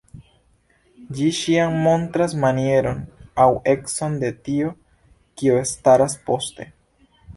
Ĝi ĉiam montras manieron aŭ econ de tio, kio staras poste.